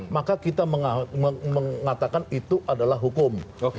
maka kita mengatakan itu adalah hukum